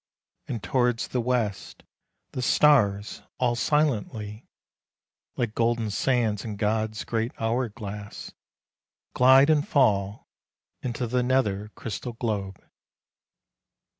And towards the west, the stars, all silently Like golden sands in God's great hour glass, glide And fall into the nether crystal globe.